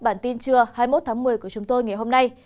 bản tin trưa hai mươi một tháng một mươi của chúng tôi ngày hôm nay